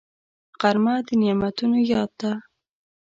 غرمه د نعمتونو یاد ده